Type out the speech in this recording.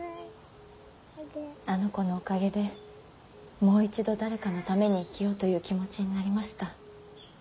あの子のおかげでもう一度誰かのために生きようという気持ちになりました。